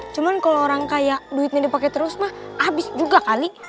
cuman kalau orang kaya duitnya dipakai terus mah abis juga kali